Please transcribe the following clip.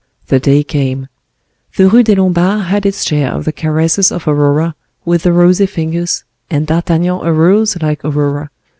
The day came. The Rue des Lombards had its share of the caresses of Aurora with the rosy fingers, and D'Artagnan arose like Aurora.